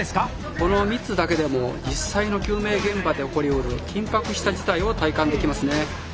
この３つだけでも実際の救命現場で起こりうる緊迫した事態を体感できますね。